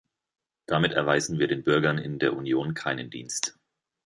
Damit erweisen wir den Bürgern in der Union keinen Dienst.